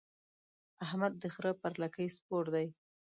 احمد د خره پر لکۍ سپور دی.